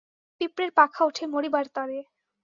পিপড়ের পাখা উঠে মরিবার তরে!